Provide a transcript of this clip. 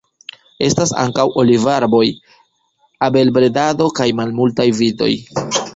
Estas ankaŭ olivarboj, abelbredado kaj malmultaj vitoj.